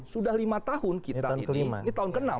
sudah lima tahun kita ini